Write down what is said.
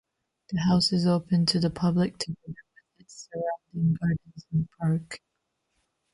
The house is open to the public together with its surrounding gardens and park.